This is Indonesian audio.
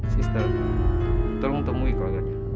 sister tolong temui keluarganya